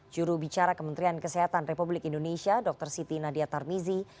juru bicara kementerian kesehatan republik indonesia dr siti nadia tarmizi